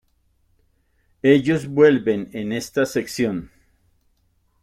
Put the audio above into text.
Ellos vuelven en esta sección.